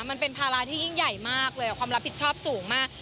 มันเป็นภาระที่ยิ่งใหญ่มากเลยความรับผิดชอบสูงมาก